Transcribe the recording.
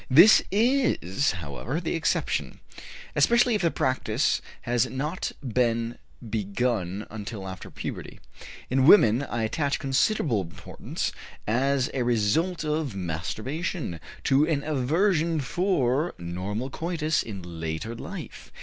This is, however, the exception, especially if the practice has not been begun until after puberty. In women I attach considerable importance, as a result of masturbation, to an aversion for normal coitus in later life.